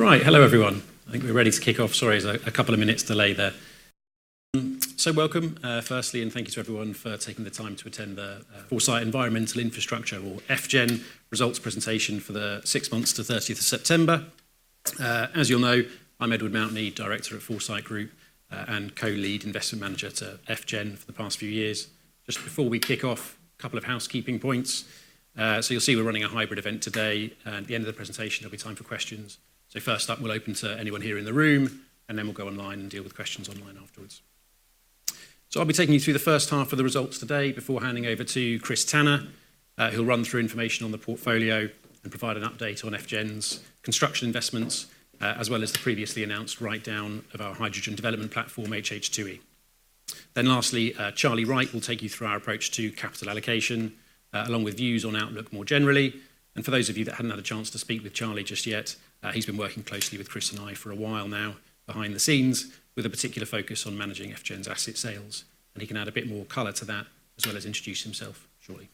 Right, hello everyone. I think we're ready to kick off. Sorry, there's a couple of minutes delay there. So welcome, firstly, and thank you to everyone for taking the time to attend the Foresight Environmental Infrastructure, or FGEN, results presentation for the six months to 30 September. As you'll know, I'm Edward Mountney, Director at Foresight Group and Co-Lead Investment Manager to FGEN for the past few years. Just before we kick off, a couple of housekeeping points. So you'll see we're running a hybrid event today, and at the end of the presentation, there'll be time for questions. So first up, we'll open to anyone here in the room, and then we'll go online and deal with questions online afterwards. So I'll be taking you through the first half of the results today before handing over to Chris Tanner, who'll run through information on the portfolio and provide an update on FGEN's construction investments, as well as the previously announced write-down of our hydrogen development platform, HH2E. Then lastly, Charlie Wright will take you through our approach to capital allocation, along with views on outlook more generally. And for those of you that haven't had a chance to speak with Charlie just yet, he's been working closely with Chris and I for a while now behind the scenes, with a particular focus on managing FGEN's asset sales. And he can add a bit more color to that, as well as introduce himself shortly.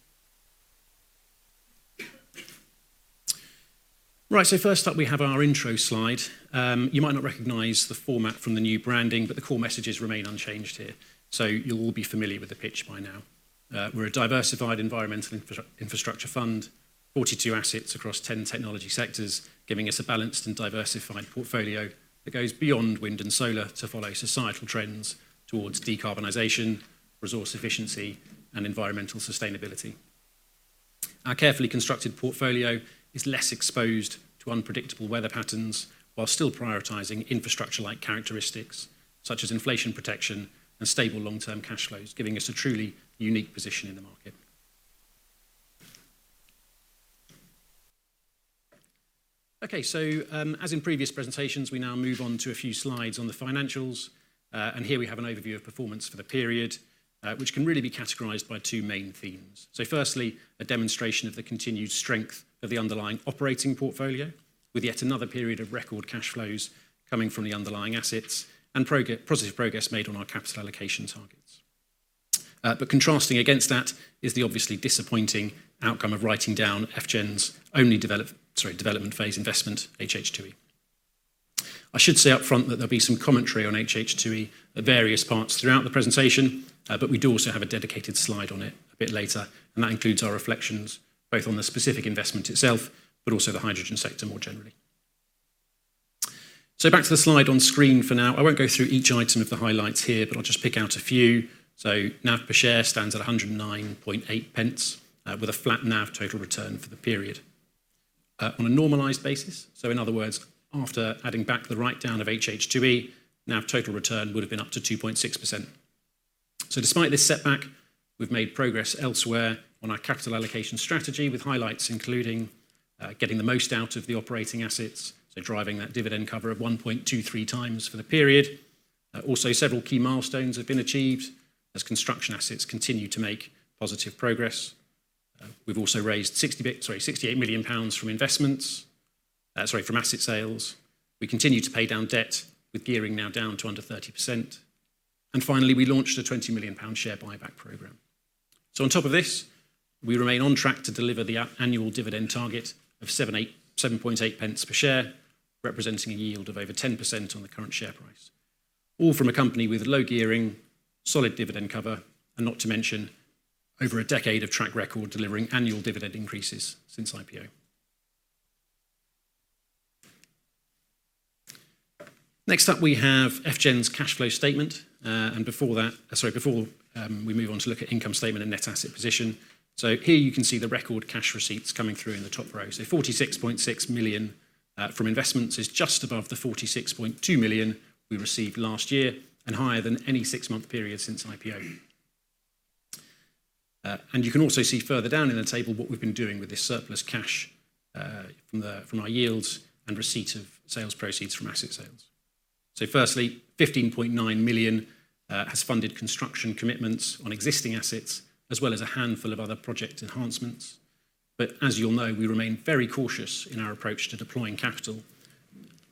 Right, so first up, we have our intro slide. You might not recognize the format from the new branding, but the core messages remain unchanged here. So you'll all be familiar with the pitch by now. We're a diversified environmental infrastructure fund, 42 assets across 10 technology sectors, giving us a balanced and diversified portfolio that goes beyond wind and solar to follow societal trends towards decarbonization, resource efficiency, and environmental sustainability. Our carefully constructed portfolio is less exposed to unpredictable weather patterns, while still prioritizing infrastructure-like characteristics such as inflation protection and stable long-term cash flows, giving us a truly unique position in the market. Okay, so as in previous presentations, we now move on to a few slides on the financials. And here we have an overview of performance for the period, which can really be categorized by two main themes. So firstly, a demonstration of the continued strength of the underlying operating portfolio, with yet another period of record cash flows coming from the underlying assets and positive progress made on our capital allocation targets. But contrasting against that is the obviously disappointing outcome of writing down FGEN's only development phase investment, HH2E. I should say upfront that there'll be some commentary on HH2E at various parts throughout the presentation, but we do also have a dedicated slide on it a bit later, and that includes our reflections both on the specific investment itself, but also the hydrogen sector more generally. So back to the slide on screen for now. I won't go through each item of the highlights here, but I'll just pick out a few. So NAV per share stands at 109.8, with a flat NAV total return for the period. On a normalized basis, so in other words, after adding back the write-down of HH2E, NAV total return would have been up to 2.6%. Despite this setback, we've made progress elsewhere on our capital allocation strategy, with highlights including getting the most out of the operating assets, so driving that dividend cover of 1.23x for the period. Also, several key milestones have been achieved as construction assets continue to make positive progress. We've also raised 68 million pounds from asset sales. We continue to pay down debt, with gearing now down to under 30%. Finally, we launched a 20 million pound share buyback program. So on top of this, we remain on track to deliver the annual dividend target of 7.8 per share, representing a yield of over 10% on the current share price, all from a company with low gearing, solid dividend cover, and not to mention over a decade of track record delivering annual dividend increases since IPO. Next up, we have FGEN's cash flow statement. And before that, sorry, before we move on to look at income statement and net asset position, so here you can see the record cash receipts coming through in the top row. So 46.6 million from investments is just above the 46.2 million we received last year, and higher than any six-month period since IPO. And you can also see further down in the table what we've been doing with this surplus cash from our yields and receipts of sales proceeds from asset sales. So firstly, 15.9 million has funded construction commitments on existing assets, as well as a handful of other project enhancements. But as you'll know, we remain very cautious in our approach to deploying capital,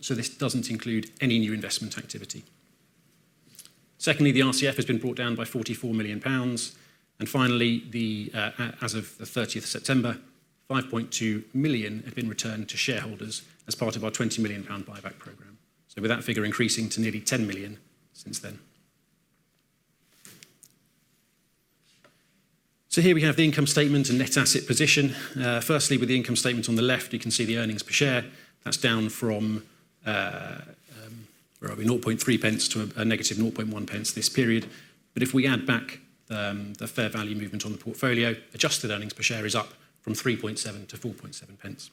so this doesn't include any new investment activity. Secondly, the RCF has been brought down by 44 million pounds. And finally, as of the 30th of September, 5.2 million have been returned to shareholders as part of our 20 million pound buyback program, so with that figure increasing to nearly 10 million since then. So here we have the income statement and net asset position. Firstly, with the income statement on the left, you can see the earnings per share. That's down from, where are we, 3.1 to 1.1 this period. But if we add back the fair value movement on the portfolio, adjusted earnings per share is up from 3.7 to 4.7 pence,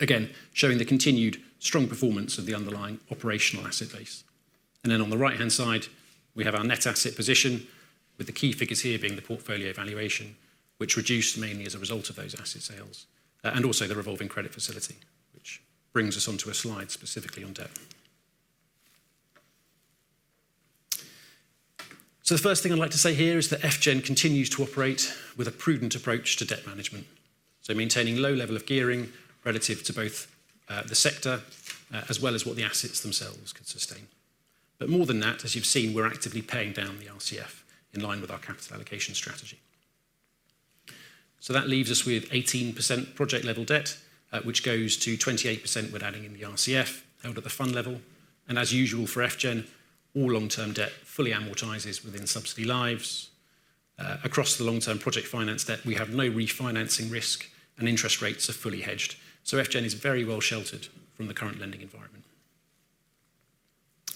again showing the continued strong performance of the underlying operational asset base. And then on the right-hand side, we have our net asset position, with the key figures here being the portfolio valuation, which reduced mainly as a result of those asset sales, and also the revolving credit facility, which brings us onto a slide specifically on debt. So the first thing I'd like to say here is that FGEN continues to operate with a prudent approach to debt management, so maintaining low level of gearing relative to both the sector as well as what the assets themselves can sustain. But more than that, as you've seen, we're actively paying down the RCF in line with our capital allocation strategy. So that leaves us with 18% project level debt, which goes to 28% when adding in the RCF held at the fund level. And as usual for FGEN, all long-term debt fully amortises within subsidy lives. Across the long-term project finance debt, we have no refinancing risk, and interest rates are fully hedged. So FGEN is very well sheltered from the current lending environment.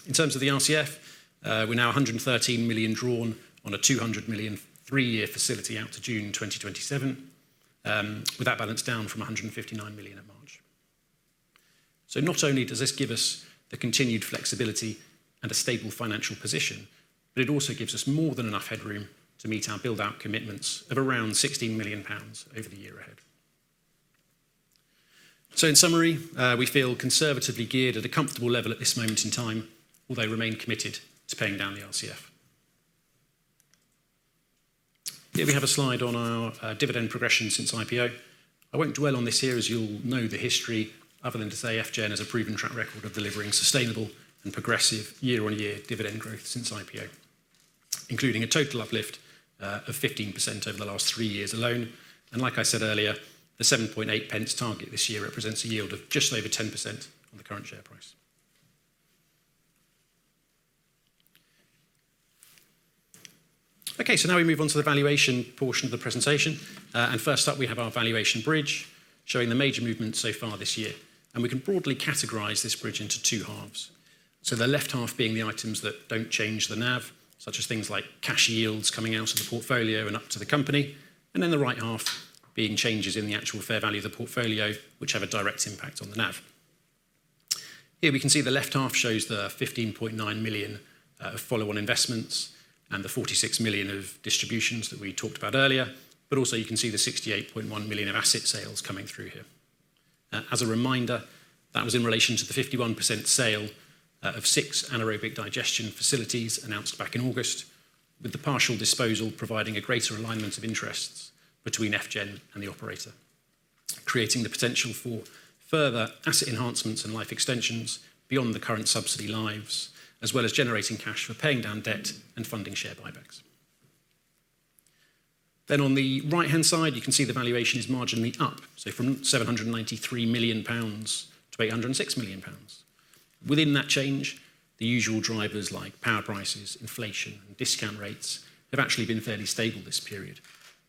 In terms of the RCF, we're now 113 million drawn on a 200 million three-year facility out to June 2027, with that balance down from 159 million at March. So not only does this give us the continued flexibility and a stable financial position, but it also gives us more than enough headroom to meet our build-out commitments of around 16 million pounds over the year ahead. So in summary, we feel conservatively geared at a comfortable level at this moment in time, although remain committed to paying down the RCF. Here we have a slide on our dividend progression since IPO. I won't dwell on this here, as you'll know the history, other than to say FGEN has a proven track record of delivering sustainable and progressive year-on-year dividend growth since IPO, including a total uplift of 15% over the last three years alone. And like I said earlier, the 7.8 target this year represents a yield of just over 10% on the current share price. Okay, so now we move on to the valuation portion of the presentation. And first up, we have our valuation bridge, showing the major movements so far this year. And we can broadly categorize this bridge into two halves. So the left half being the items that don't change the NAV, such as things like cash yields coming out of the portfolio and up to the company. And then the right half being changes in the actual fair value of the portfolio, which have a direct impact on the NAV. Here we can see the left half shows the 15.9 million of follow-on investments and the 46 million of distributions that we talked about earlier. But also you can see the 68.1 million of asset sales coming through here. As a reminder, that was in relation to the 51% sale of six anaerobic digestion facilities announced back in August, with the partial disposal providing a greater alignment of interests between FGEN and the operator, creating the potential for further asset enhancements and life extensions beyond the current subsidy lives, as well as generating cash for paying down debt and funding share buybacks. Then on the right-hand side, you can see the valuation is marginally up, so from 793 million pounds to 806 million pounds. Within that change, the usual drivers like power prices, inflation, and discount rates have actually been fairly stable this period.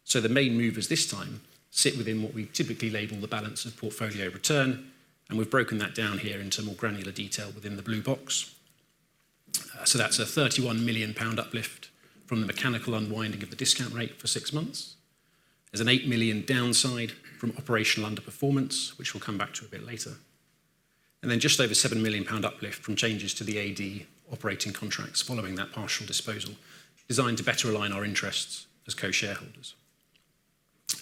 So the main movers this time sit within what we typically label the balance of portfolio return, and we've broken that down here into more granular detail within the blue box. That's a 31 million pound uplift from the mechanical unwinding of the discount rate for six months. There's a 8 million downside from operational underperformance, which we'll come back to a bit later. And then just over 7 million pound uplift from changes to the AD operating contracts following that partial disposal, designed to better align our interests as co-shareholders.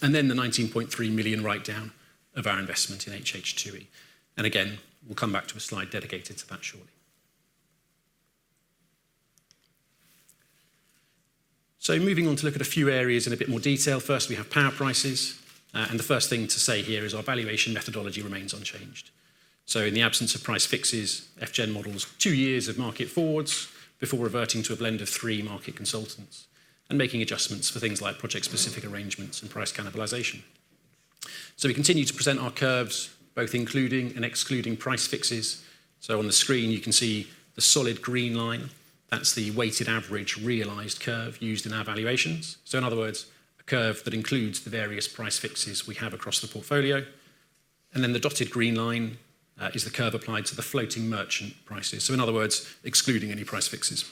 And then the 19.3 million write-down of our investment in HH2E. And again, we'll come back to a slide dedicated to that shortly. So moving on to look at a few areas in a bit more detail. First, we have power prices. And the first thing to say here is our valuation methodology remains unchanged. So in the absence of price fixes, FGEN models two years of market forwards before reverting to a blend of three market consultants and making adjustments for things like project-specific arrangements and price cannibalization. We continue to present our curves, both including and excluding price fixes. On the screen, you can see the solid green line. That's the weighted average realized curve used in our valuations. In other words, a curve that includes the various price fixes we have across the portfolio. The dotted green line is the curve applied to the floating merchant prices. In other words, excluding any price fixes.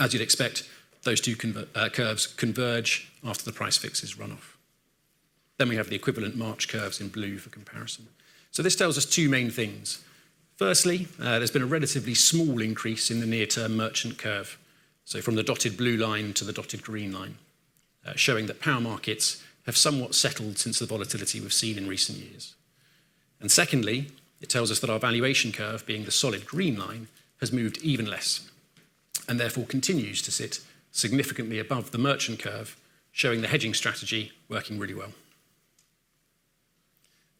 As you'd expect, those two curves converge after the price fixes run off. We have the equivalent March curves in blue for comparison. This tells us two main things. Firstly, there's been a relatively small increase in the near-term merchant curve, so from the dotted blue line to the dotted green line, showing that power markets have somewhat settled since the volatility we've seen in recent years. And secondly, it tells us that our valuation curve, being the solid green line, has moved even less and therefore continues to sit significantly above the merchant curve, showing the hedging strategy working really well.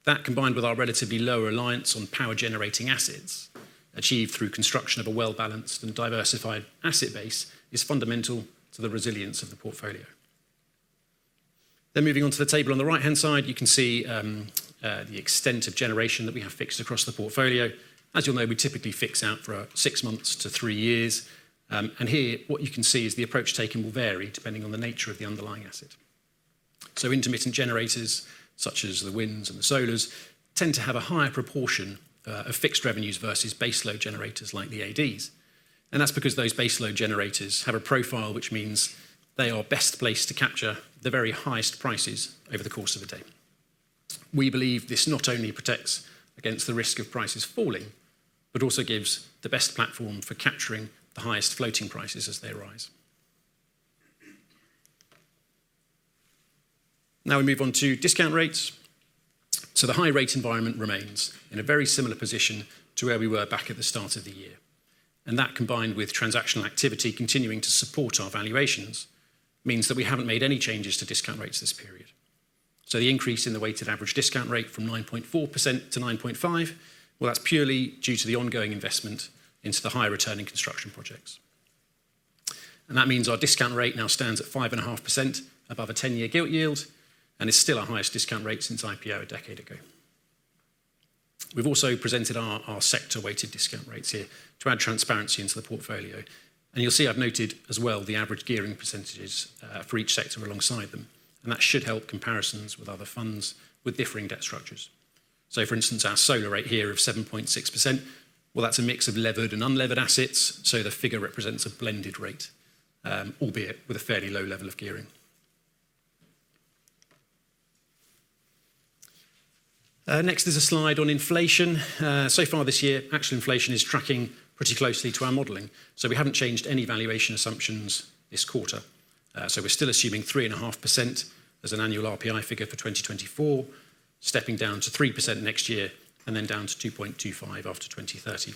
That, combined with our relatively low reliance on power-generating assets achieved through construction of a well-balanced and diversified asset base, is fundamental to the resilience of the portfolio. Then moving on to the table on the right-hand side, you can see the extent of generation that we have fixed across the portfolio. As you'll know, we typically fix out for six months to three years. And here, what you can see is the approach taken will vary depending on the nature of the underlying asset. So intermittent generators, such as the winds and the solars, tend to have a higher proportion of fixed revenues versus base load generators like the ADs. That's because those base load generators have a profile which means they are best placed to capture the very highest prices over the course of a day. We believe this not only protects against the risk of prices falling, but also gives the best platform for capturing the highest floating prices as they rise. Now we move on to discount rates. The high rate environment remains in a very similar position to where we were back at the start of the year. That, combined with transactional activity continuing to support our valuations, means that we haven't made any changes to discount rates this period. The increase in the weighted average discount rate from 9.4% to 9.5%, well, that's purely due to the ongoing investment into the high-returning construction projects. That means our discount rate now stands at 5.5% above a 10-year gilt yield and is still our highest discount rate since IPO a decade ago. We've also presented our sector-weighted discount rates here to add transparency into the portfolio. You'll see I've noted as well the average gearing percentages for each sector alongside them. That should help comparisons with other funds with differing debt structures. For instance, our solar rate here of 7.6%, well, that's a mix of levered and unlevered assets. The figure represents a blended rate, albeit with a fairly low level of gearing. Next is a slide on inflation. So far this year, actual inflation is tracking pretty closely to our modeling. We haven't changed any valuation assumptions this quarter. We're still assuming 3.5% as an annual RPI figure for 2024, stepping down to 3% next year and then down to 2.25% after 2030.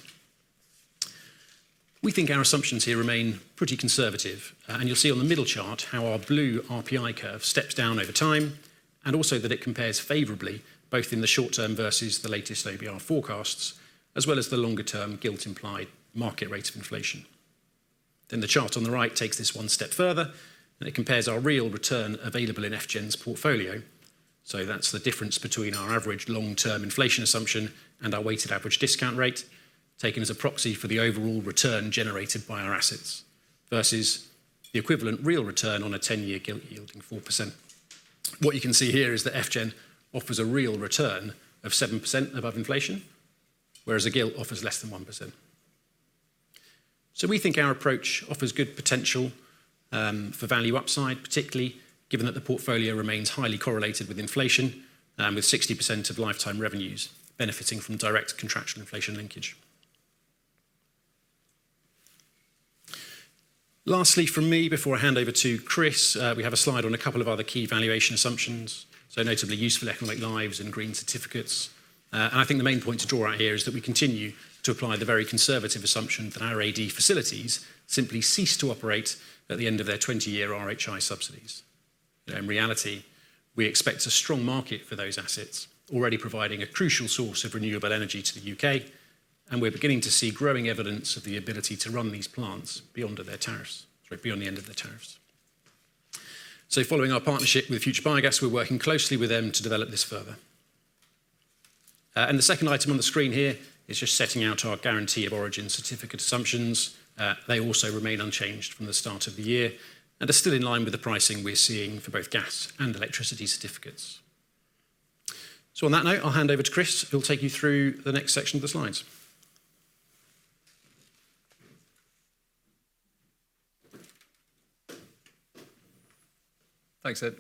We think our assumptions here remain pretty conservative. You'll see on the middle chart how our blue RPI curve steps down over time and also that it compares favorably both in the short term versus the latest OBR forecasts, as well as the longer term gilt-implied market rate of inflation. The chart on the right takes this one step further, and it compares our real return available in FGEN's portfolio. That's the difference between our average long-term inflation assumption and our weighted average discount rate taken as a proxy for the overall return generated by our assets versus the equivalent real return on a 10-year gilt yielding 4%. What you can see here is that FGEN offers a real return of 7% above inflation, whereas a gilt offers less than 1%. So we think our approach offers good potential for value upside, particularly given that the portfolio remains highly correlated with inflation and with 60% of lifetime revenues benefiting from direct contractual inflation linkage. Lastly, from me, before I hand over to Chris, we have a slide on a couple of other key valuation assumptions, so notably useful economic lives and green certificates. And I think the main point to draw out here is that we continue to apply the very conservative assumption that our AD facilities simply cease to operate at the end of their 20-year RHI subsidies. In reality, we expect a strong market for those assets, already providing a crucial source of renewable energy to the UK, and we're beginning to see growing evidence of the ability to run these plants beyond their tariffs, sorry, beyond the end of their tariffs. So following our partnership with Future Biogas, we're working closely with them to develop this further. And the second item on the screen here is just setting out our Guarantee of Origin certificate assumptions. They also remain unchanged from the start of the year and are still in line with the pricing we're seeing for both gas and electricity certificates. So on that note, I'll hand over to Chris, who'll take you through the next section of the slides. Thanks, Ed.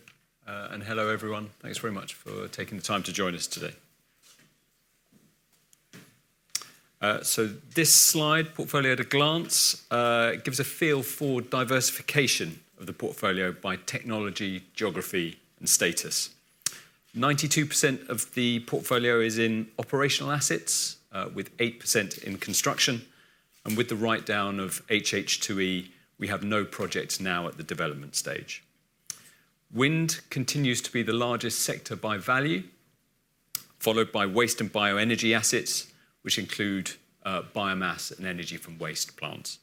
And hello, everyone. Thanks very much for taking the time to join us today. So this slide, Portfolio at a Glance, gives a feel for diversification of the portfolio by technology, geography, and status. 92% of the portfolio is in operational assets, with 8% in construction. And with the write-down of HH2E, we have no projects now at the development stage. Wind continues to be the largest sector by value, followed by waste and bioenergy assets, which include biomass and energy from waste plants.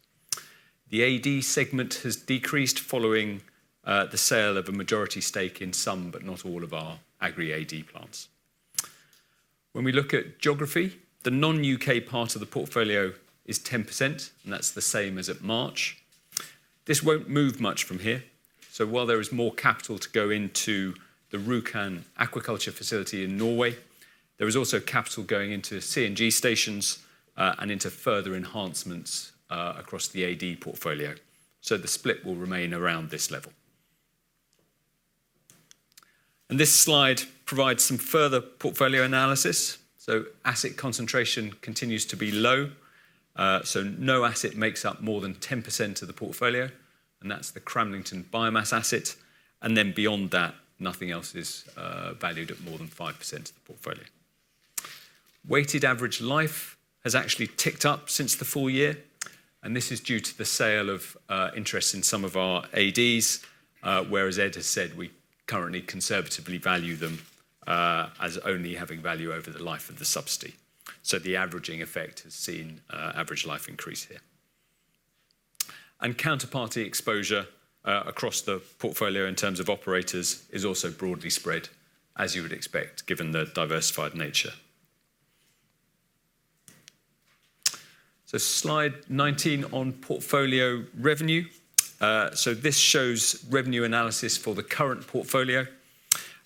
The AD segment has decreased following the sale of a majority stake in some, but not all of our agri-AD plants. When we look at geography, the non-UK part of the portfolio is 10%, and that's the same as at March. This won't move much from here. So while there is more capital to go into the Rjukan Aquaculture Facility in Norway, there is also capital going into CNG stations and into further enhancements across the AD portfolio. So the split will remain around this level. And this slide provides some further portfolio analysis. So asset concentration continues to be low. So no asset makes up more than 10% of the portfolio, and that's the Cramlington biomass asset. And then beyond that, nothing else is valued at more than 5% of the portfolio. Weighted average life has actually ticked up since the full year, and this is due to the sale of interest in some of our ADs, whereas Ed has said we currently conservatively value them as only having value over the life of the subsidy. So the averaging effect has seen average life increase here. And counterparty exposure across the portfolio in terms of operators is also broadly spread, as you would expect, given the diversified nature. So slide 19 on portfolio revenue. So this shows revenue analysis for the current portfolio.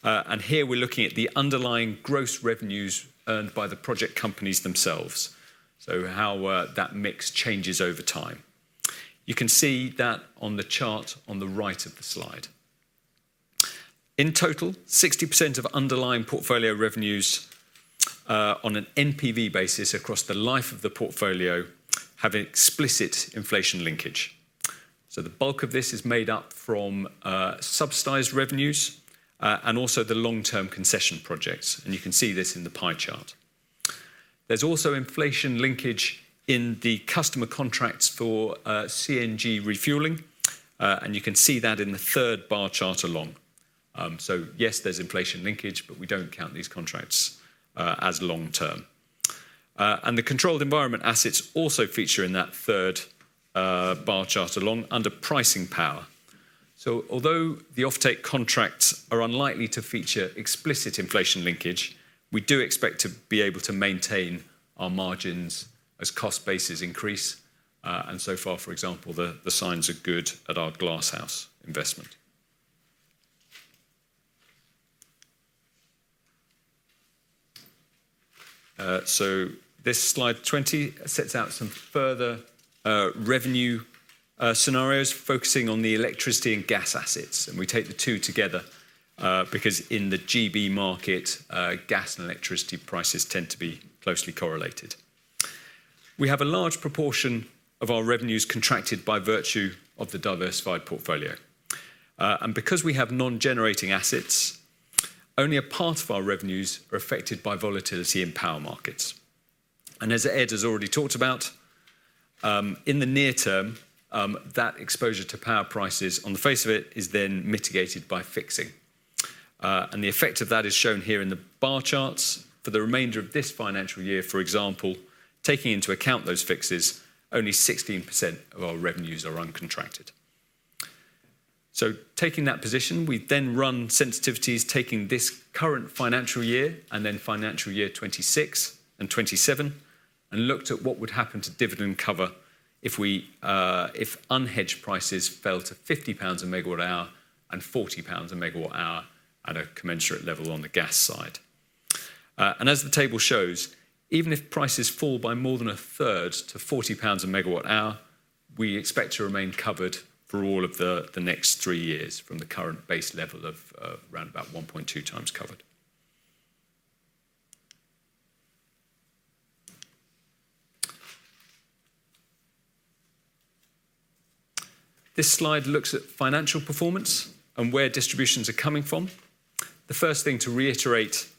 And here we're looking at the underlying gross revenues earned by the project companies themselves, so how that mix changes over time. You can see that on the chart on the right of the slide. In total, 60% of underlying portfolio revenues on an NPV basis across the life of the portfolio have explicit inflation linkage. So the bulk of this is made up from subsidized revenues and also the long-term concession projects. And you can see this in the pie chart. There's also inflation linkage in the customer contracts for CNG refueling, and you can see that in the third bar chart along. So yes, there's inflation linkage, but we don't count these contracts as long-term. And the controlled environment assets also feature in that third bar chart along under pricing power. So although the offtake contracts are unlikely to feature explicit inflation linkage, we do expect to be able to maintain our margins as cost bases increase. And so far, for example, the signs are good at our glasshouse investment. So this slide 20 sets out some further revenue scenarios focusing on the electricity and gas assets. And we take the two together because in the GB market, gas and electricity prices tend to be closely correlated. We have a large proportion of our revenues contracted by virtue of the diversified portfolio. And because we have non-generating assets, only a part of our revenues are affected by volatility in power markets. And as Ed has already talked about, in the near term, that exposure to power prices on the face of it is then mitigated by fixing. And the effect of that is shown here in the bar charts. For the remainder of this financial year, for example, taking into account those fixes, only 16% of our revenues are uncontracted. So taking that position, we then run sensitivities taking this current financial year and then financial year 26 and 27 and looked at what would happen to dividend cover if unhedged prices fell to 50 pounds a MWh and 40 pounds a MWh at a commensurate level on the gas side. And as the table shows, even if prices fall by more than a third to 40 pounds a MWh, we expect to remain covered for all of the next three years from the current base level of around about 1.2x covered. This slide looks at financial performance and where distributions are coming from. The first thing to reiterate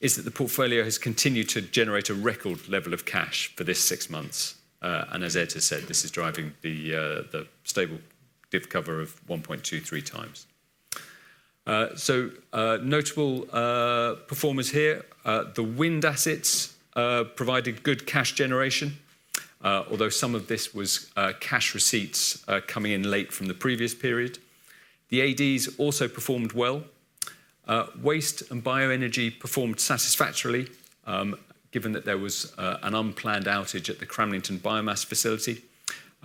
is that the portfolio has continued to generate a record level of cash for this six months. As Ed has said, this is driving the stable div cover of 1.23x. Notable performers here, the wind assets provided good cash generation, although some of this was cash receipts coming in late from the previous period. The ADs also performed well. Waste and bioenergy performed satisfactorily given that there was an unplanned outage at the Cramlington biomass facility.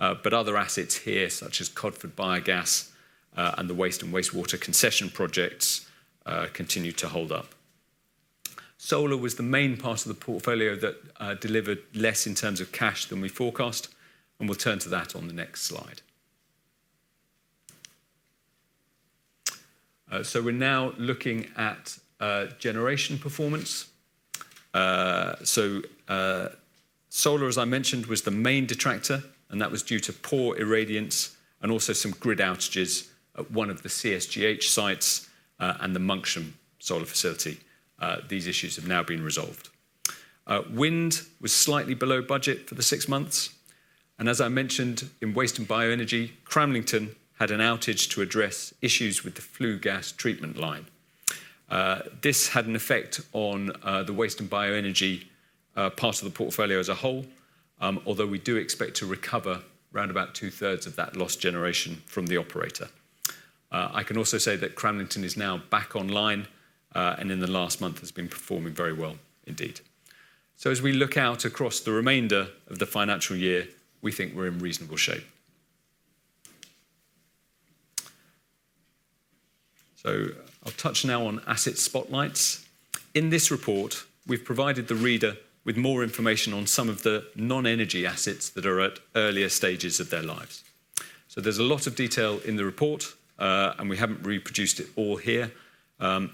Other assets here, such as Codford Biogas and the waste and wastewater concession projects, continued to hold up. Solar was the main part of the portfolio that delivered less in terms of cash than we forecast, and we'll turn to that on the next slide. We're now looking at generation performance. Solar, as I mentioned, was the main detractor, and that was due to poor irradiance and also some grid outages at one of the C&I sites and the Mongeham solar facility. These issues have now been resolved. Wind was slightly below budget for the six months. And as I mentioned, in waste and bioenergy, Cramlington had an outage to address issues with the flue gas treatment line. This had an effect on the waste and bioenergy part of the portfolio as a whole, although we do expect to recover around about two-thirds of that lost generation from the operator. I can also say that Cramlington is now back online and in the last month has been performing very well indeed. So as we look out across the remainder of the financial year, we think we're in reasonable shape. So I'll touch now on asset spotlights. In this report, we've provided the reader with more information on some of the non-energy assets that are at earlier stages of their lives. So there's a lot of detail in the report, and we haven't reproduced it all here.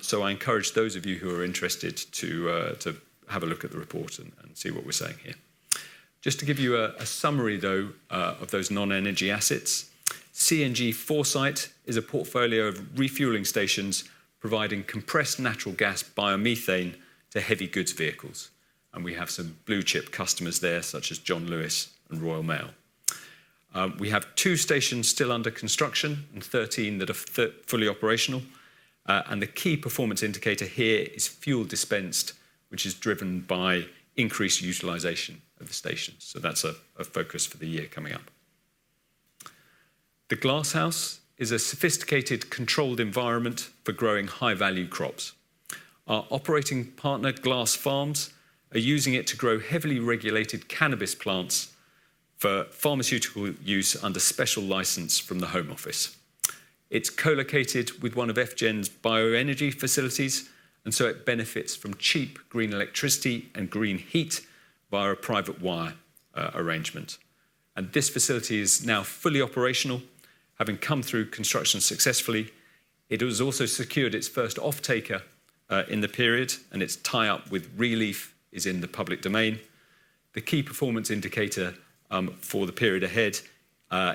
So I encourage those of you who are interested to have a look at the report and see what we're saying here. Just to give you a summary, though, of those non-energy assets, CNG Foresight is a portfolio of refueling stations providing compressed natural gas biomethane to heavy goods vehicles. And we have some blue-chip customers there, such as John Lewis and Royal Mail. We have two stations still under construction and 13 that are fully operational. And the key performance indicator here is fuel dispensed, which is driven by increased utilization of the stations. So that's a focus for the year coming up. The glasshouse is a sophisticated controlled environment for growing high-value crops. Our operating partner, Glass Pharms, are using it to grow heavily regulated cannabis plants for pharmaceutical use under special license from the Home Office. It's co-located with one of FGEN's bioenergy facilities, and so it benefits from cheap green electricity and green heat via a private wire arrangement. This facility is now fully operational, having come through construction successfully. It has also secured its first offtaker in the period, and its tie-up with Releaf is in the public domain. The key performance indicator for the period ahead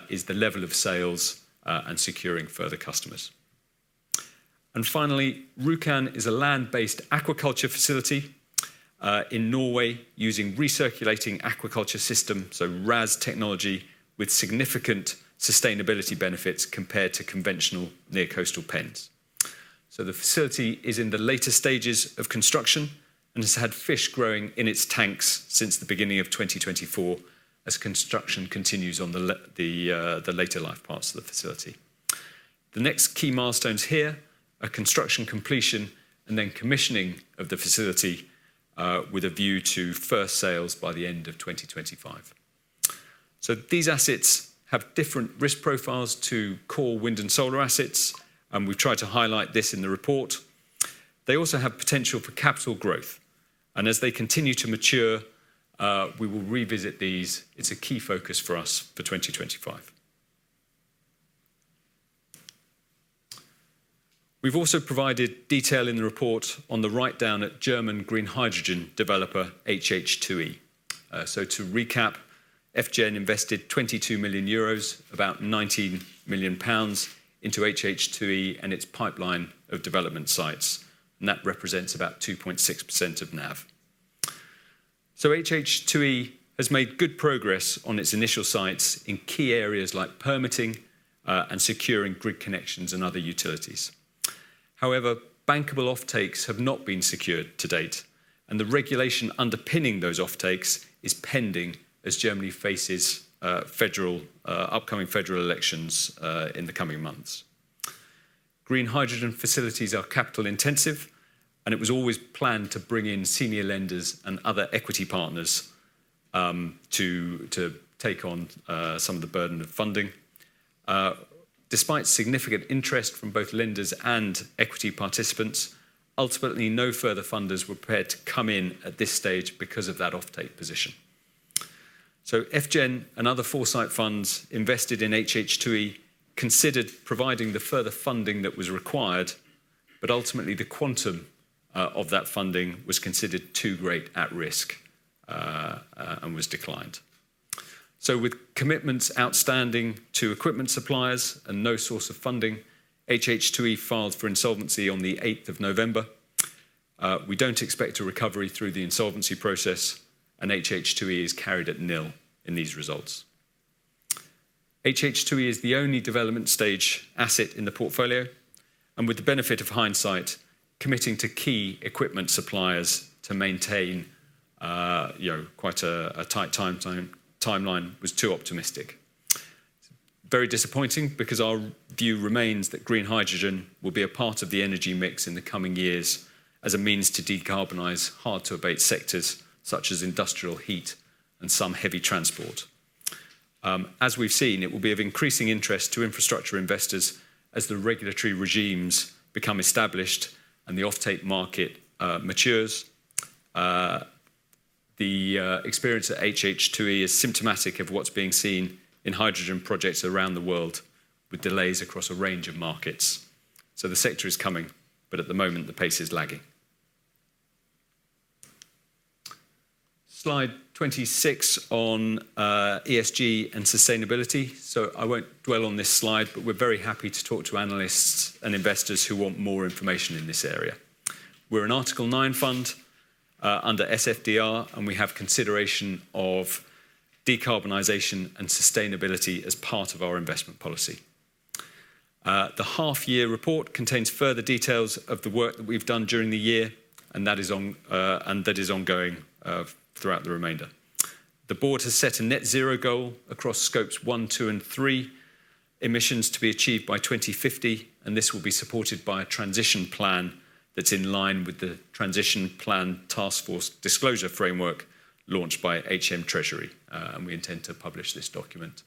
is the level of sales and securing further customers. Finally, Rjukan is a land-based aquaculture facility in Norway using recirculating aquaculture systems, so RAS technology, with significant sustainability benefits compared to conventional near-coastal pens. The facility is in the later stages of construction and has had fish growing in its tanks since the beginning of 2024 as construction continues on the later life parts of the facility. The next key milestones here are construction completion and then commissioning of the facility with a view to first sales by the end of 2025. These assets have different risk profiles to core wind and solar assets, and we've tried to highlight this in the report. They also have potential for capital growth. As they continue to mature, we will revisit these. It's a key focus for us for 2025. We've also provided detail in the report on the write-down at German green hydrogen developer, HH2E. To recap, FGEN invested 22 million euros, about 19 million pounds, into HH2E and its pipeline of development sites. That represents about 2.6% of NAV. So HH2E has made good progress on its initial sites in key areas like permitting and securing grid connections and other utilities. However, bankable offtakes have not been secured to date, and the regulation underpinning those offtakes is pending as Germany faces upcoming federal elections in the coming months. Green hydrogen facilities are capital-intensive, and it was always planned to bring in senior lenders and other equity partners to take on some of the burden of funding. Despite significant interest from both lenders and equity participants, ultimately, no further funders were prepared to come in at this stage because of that offtake position. So FGEN and other Foresight funds invested in HH2E considered providing the further funding that was required, but ultimately, the quantum of that funding was considered too great at risk and was declined. So with commitments outstanding to equipment suppliers and no source of funding, HH2E filed for insolvency on the 8th of November. We don't expect a recovery through the insolvency process, and HH2E is carried at nil in these results. HH2E is the only development stage asset in the portfolio, and with the benefit of hindsight, committing to key equipment suppliers to maintain quite a tight timeline was too optimistic. It's very disappointing because our view remains that green hydrogen will be a part of the energy mix in the coming years as a means to decarbonize hard-to-abate sectors such as industrial heat and some heavy transport. As we've seen, it will be of increasing interest to infrastructure investors as the regulatory regimes become established and the offtake market matures. The experience at HH2E is symptomatic of what's being seen in hydrogen projects around the world with delays across a range of markets. So the sector is coming, but at the moment, the pace is lagging. Slide 26 on ESG and sustainability. So I won't dwell on this slide, but we're very happy to talk to analysts and investors who want more information in this area. We're an Article 9 fund under SFDR, and we have consideration of decarbonization and sustainability as part of our investment policy. The half-year report contains further details of the work that we've done during the year, and that is ongoing throughout the remainder. The board has set a net zero goal across Scope 1, 2, and 3 emissions to be achieved by 2050, and this will be supported by a transition plan that's in line with the Transition Plan Taskforce disclosure framework launched by HM Treasury, and we intend to publish this document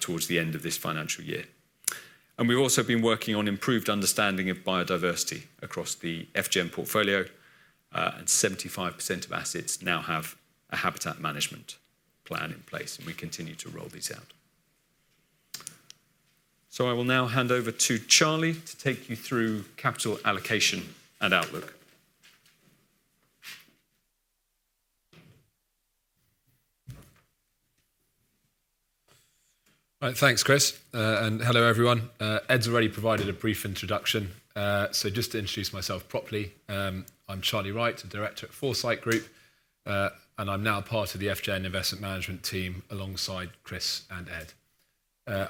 towards the end of this financial year, and we've also been working on improved understanding of biodiversity across the FGEN portfolio, and 75% of assets now have a habitat management plan in place, and we continue to roll these out, so I will now hand over to Charlie to take you through capital allocation and outlook. Right, thanks, Chris, and hello, everyone. Ed's already provided a brief introduction, so just to introduce myself properly, I'm Charlie Wright, a director at Foresight Group, and I'm now part of the FGEN Investment Management Team alongside Chris and Ed.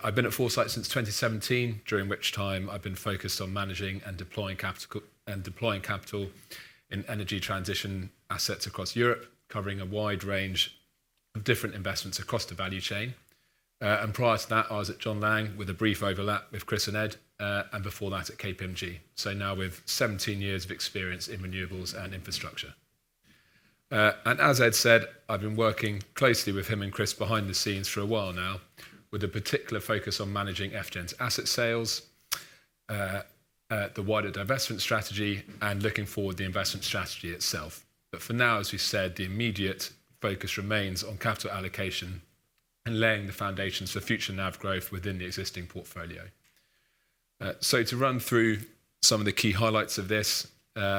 I've been at Foresight since 2017, during which time I've been focused on managing and deploying capital in energy transition assets across Europe, covering a wide range of different investments across the value chain and prior to that, I was at John Laing with a brief overlap with Chris and Ed, and before that at KPMG so now with 17 years of experience in renewables and infrastructure and as Ed said, I've been working closely with him and Chris behind the scenes for a while now, with a particular focus on managing FGEN's asset sales, the wider divestment strategy, and looking forward to the investment strategy itself but for now, as we said, the immediate focus remains on capital allocation and laying the foundations for future NAV growth within the existing portfolio. To run through some of the key highlights of this,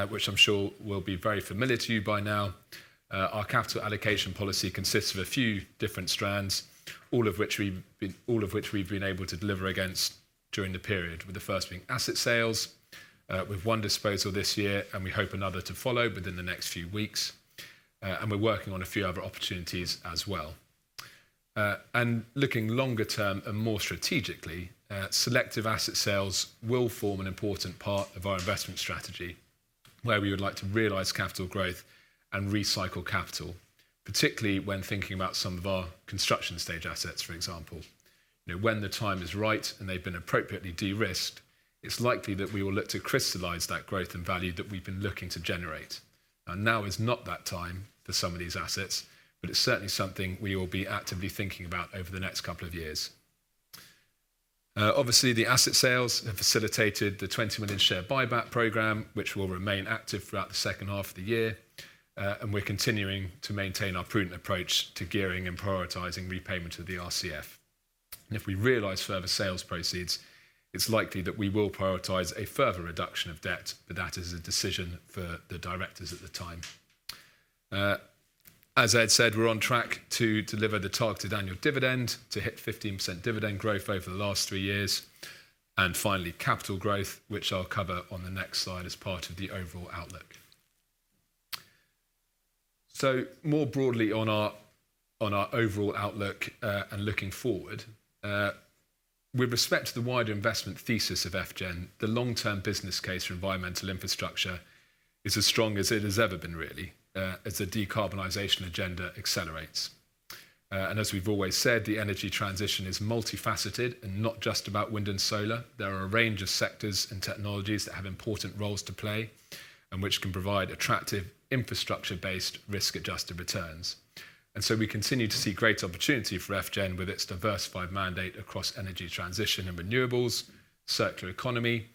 which I'm sure will be very familiar to you by now, our capital allocation policy consists of a few different strands, all of which we've been able to deliver against during the period, with the first being asset sales. We have one disposal this year, and we hope another to follow within the next few weeks. We're working on a few other opportunities as well. Looking longer term and more strategically, selective asset sales will form an important part of our investment strategy, where we would like to realize capital growth and recycle capital, particularly when thinking about some of our construction stage assets, for example. When the time is right and they've been appropriately de-risked, it's likely that we will look to crystallize that growth and value that we've been looking to generate. Now is not that time for some of these assets, but it's certainly something we will be actively thinking about over the next couple of years. Obviously, the asset sales have facilitated the 20 million share buyback program, which will remain active throughout the second half of the year, and we're continuing to maintain our prudent approach to gearing and prioritizing repayment of the RCF. And if we realize further sales proceeds, it's likely that we will prioritize a further reduction of debt, but that is a decision for the directors at the time. As Ed said, we're on track to deliver the targeted annual dividend to hit 15% dividend growth over the last three years, and finally, capital growth, which I'll cover on the next slide as part of the overall outlook. More broadly on our overall outlook and looking forward, with respect to the wider investment thesis of FGEN, the long-term business case for environmental infrastructure is as strong as it has ever been, really, as the decarbonization agenda accelerates. As we've always said, the energy transition is multifaceted and not just about wind and solar. There are a range of sectors and technologies that have important roles to play and which can provide attractive infrastructure-based risk-adjusted returns. We continue to see great opportunity for FGEN with its diversified mandate across energy transition and renewables, circular economy,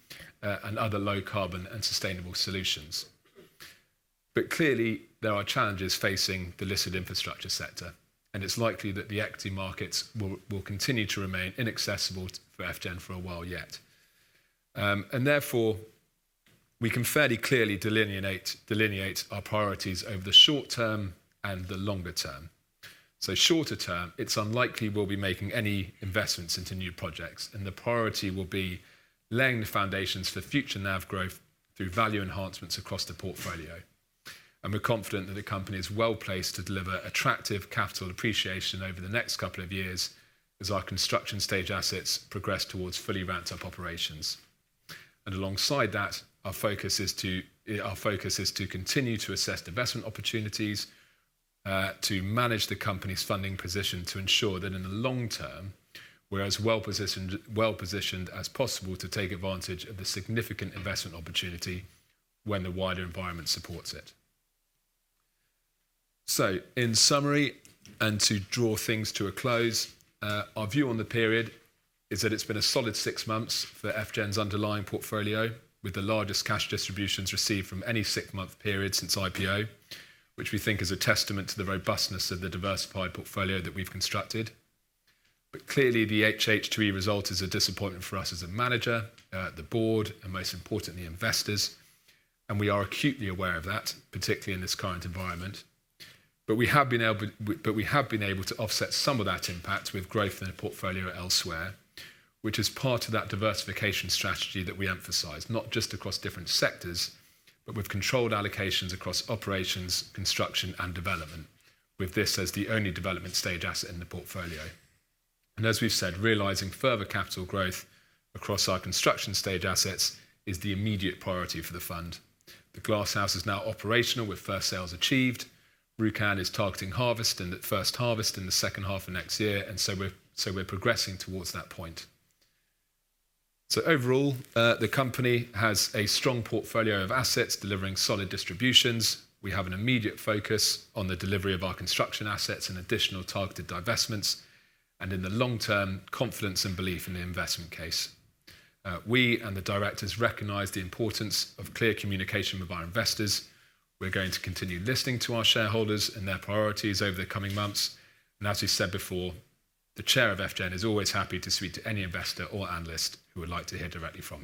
and other low-carbon and sustainable solutions. Clearly, there are challenges facing the listed infrastructure sector, and it's likely that the equity markets will continue to remain inaccessible for FGEN for a while yet. And therefore, we can fairly clearly delineate our priorities over the short term and the longer term. So shorter term, it's unlikely we'll be making any investments into new projects, and the priority will be laying the foundations for future NAV growth through value enhancements across the portfolio. And we're confident that the company is well placed to deliver attractive capital appreciation over the next couple of years as our construction stage assets progress towards fully ramped-up operations. And alongside that, our focus is to continue to assess investment opportunities, to manage the company's funding position to ensure that in the long term, we're as well positioned as possible to take advantage of the significant investment opportunity when the wider environment supports it. In summary, and to draw things to a close, our view on the period is that it's been a solid six months for FGEN's underlying portfolio, with the largest cash distributions received from any six-month period since IPO, which we think is a testament to the robustness of the diversified portfolio that we've constructed. But clearly, the HH2E result is a disappointment for us as a manager, the board, and most importantly, investors. And we are acutely aware of that, particularly in this current environment. But we have been able to offset some of that impact with growth in the portfolio elsewhere, which is part of that diversification strategy that we emphasize, not just across different sectors, but with controlled allocations across operations, construction, and development, with this as the only development stage asset in the portfolio. As we've said, realizing further capital growth across our construction stage assets is the immediate priority for the fund. The glasshouse is now operational with first sales achieved. Rjukan is targeting harvest and first harvest in the second half of next year, and so we're progressing towards that point. Overall, the company has a strong portfolio of assets delivering solid distributions. We have an immediate focus on the delivery of our construction assets and additional targeted divestments, and in the long term, confidence and belief in the investment case. We and the directors recognize the importance of clear communication with our investors. We're going to continue listening to our shareholders and their priorities over the coming months. As we said before, the chair of FGEN is always happy to speak to any investor or analyst who would like to hear directly from.